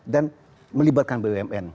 dan melibatkan bumn